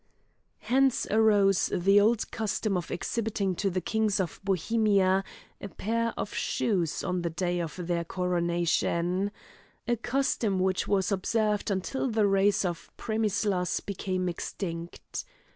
Hence arose the old custom of exhibiting to the kings of Bohemia a pair of shoes on the day of their coronation a custom which was observed until the race of Premislas became extinct.